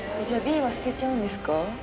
じゃあＢは捨てちゃうんです